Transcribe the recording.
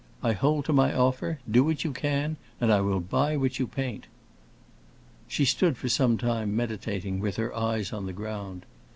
I hold to my offer; do what you can, and I will buy what you paint." She stood for some time, meditating, with her eyes on the ground.